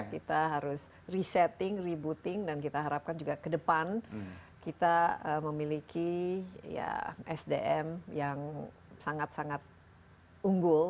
kita harus resetting rebooting dan kita harapkan juga ke depan kita memiliki sdm yang sangat sangat unggul